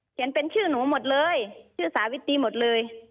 เป็นชื่อหนูหมดเลยชื่อสาวิตรีหมดเลย